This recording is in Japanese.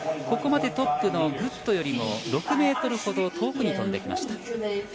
ここまでトップのグッドよりも６ｍほど遠くに飛んできました。